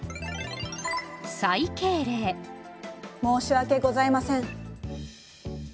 申し訳ございません。